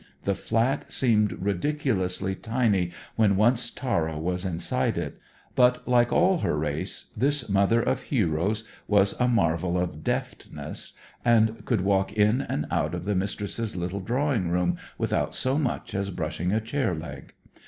The flat seemed ridiculously tiny when once Tara was inside it; but, like all her race, this mother of heroes was a marvel of deftness, and could walk in and out of the Mistress's little drawing room without so much as brushing a chair leg.